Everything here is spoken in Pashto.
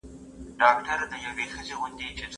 کره کتنه د اثر د ښېګڼو او نیمګړتیاوو متوازن ارزونه ده.